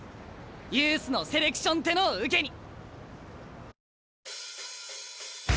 ユースのセレクションってのを受けに。